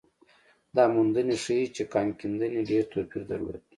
دا موندنې ښيي چې کان کیندنې ډېر توپیر درلود.